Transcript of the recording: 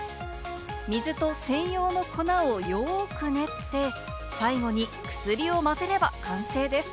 水と専用の粉をよく練って、最後にお薬を混ぜれば完成です。